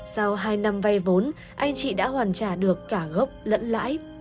sau hai năm vay vốn anh chị đã hoàn trả được cả gốc lẫn lãi